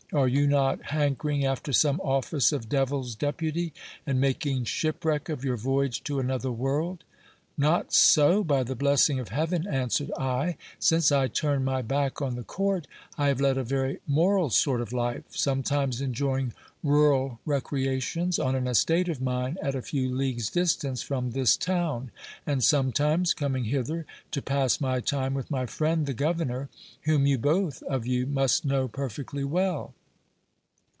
Are you not hankering after some office of devil's deputy, and making shipwreck of your voyage to another world ? Not so, by the blessing of heaven, answered I ; since I turned my back on the court, I have led a very moral sort of life : sometimes enjoying rural recreations on an estate of mine at a few leagues distance from this town, and sometimes coming hither to pass my time with my friend the governor, whom you both of you must know perfectly well.